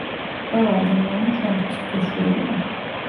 ყველა ადამიანი ჩვენთვის ღვთის შვილია.